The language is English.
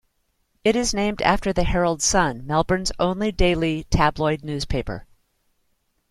It is named after the "Herald Sun", Melbourne's only daily tabloid newspaper.